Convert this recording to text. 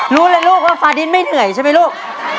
รู้เลยลูกว่าฟาดินไม่เหนื่อยใช่ไหมลูก